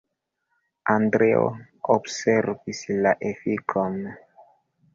Andreo observis la efikon.